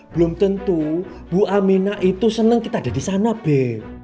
belum tentu bu amina itu senang kita ada di sana be